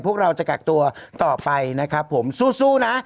พวกเราจะกักตัวต่อไปนะครับผมสู้นะ